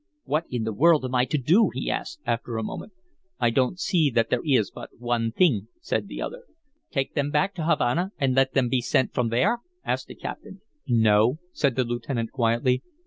"What in the world am I to do?" he asked, after a moment. "I don't see that there is but one thing," said the other. "Take them back to Havana and let them be sent from there?" asked the captain. "No," said the lieutenant, quietly.